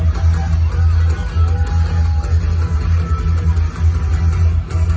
กลับไปกลับไป